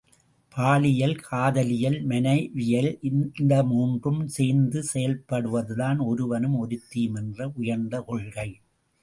பாலியல் காதலியல் மணவியல் இந்த மூன்றும் சேர்ந்து செயல்படுவதுதான் ஒருவனும் ஒருத்தியும் என்ற உயர்ந்த கொள்கை.